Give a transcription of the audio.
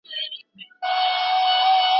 نه مي د چا پر زنګون ســــر ايــښـــــى دى